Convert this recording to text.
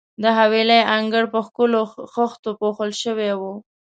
د حویلۍ انګړ په ښکلو خښتو پوښل شوی وو.